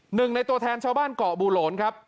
หนึ่งในตัวแทนชาวบ้านเกาะบูโหลนครับ